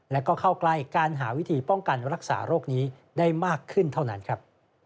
แล้วก็เข้าใกล้การหาวิธีป้องกันรักษาโรคนี้ได้มากขึ้นเท่านั้นครับ